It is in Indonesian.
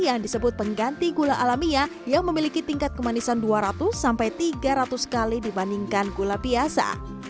yang disebut pengganti gula alamiah yang memiliki tingkat kemanisan dua ratus sampai tiga ratus kali dibandingkan gula biasa